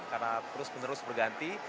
karena terus menerus berganti